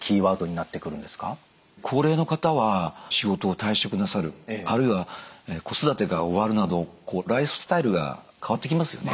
高齢の方は仕事を退職なさるあるいは子育てが終わるなどライフスタイルが変わってきますよね。